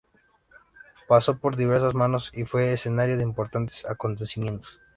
Pasó por diversas manos y fue escenario de importantes acontecimientos.